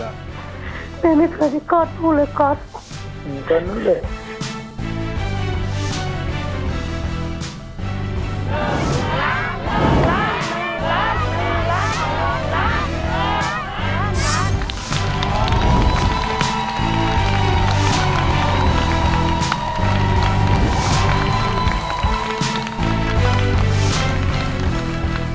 แม่ไม่เคยได้กลัวดูเลยก๊อตหรือเปล่านั้นแหละ